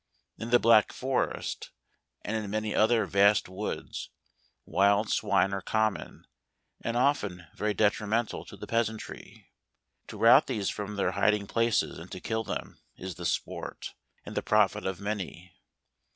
In the Black Forest, and in many other vast woods, wild swine are common; and often very detrimental to the peasantry. To rout these from their hiding places, and to kill them, is the sport, and the profit of many.